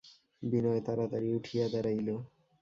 বিনয় তাড়াতাড়ি উঠিয়া দাঁড়াইল।